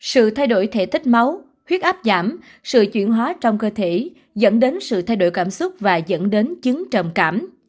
sự thay đổi thể tích máu huyết áp giảm sự chuyển hóa trong cơ thể dẫn đến sự thay đổi cảm xúc và dẫn đến chứng trầm cảm